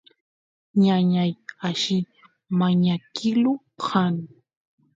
ñañay alli mañakilu kan